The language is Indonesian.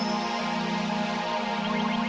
gue masukin di dalam sini